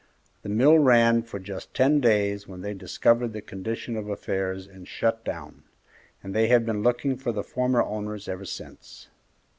The mill ran for just ten days when they discovered the condition of affairs and shut down, and they have been looking for the former owners ever since."